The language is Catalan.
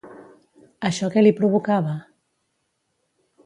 Això què li provocava?